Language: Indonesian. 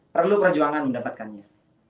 perlu perjuangan mendapatkannya